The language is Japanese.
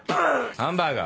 ハンバーガー。